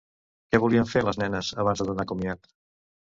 Què volien fer les nenes, abans de donar comiat?